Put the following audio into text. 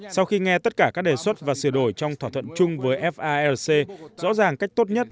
sau khi nghe tất cả các đề xuất và sửa đổi trong thỏa thuận chung với farc rõ ràng cách tốt nhất